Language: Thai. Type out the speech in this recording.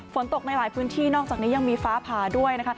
ฝนตกในหลายพื้นที่นอกจากนี้ยังมีฟ้าผ่าด้วยนะคะ